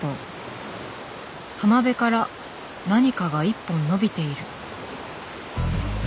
浜辺から何かが一本のびている。